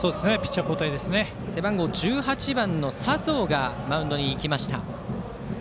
背番号１８番の佐宗がマウンドに行きました。